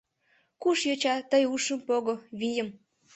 Куш йоча, тый ушым пого, вийым.